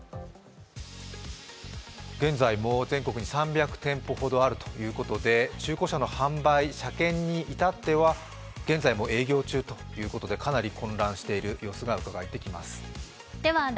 現在も全国に３００店舗ほどあるということで中古車の販売、車検に至っては現在も営業中ということでかなり混乱する様子がうがかえてきます。